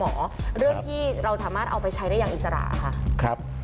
เรื่องที่เราสามารถเอาไปใช้ได้อย่างอิสระค่ะ